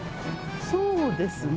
そうですね。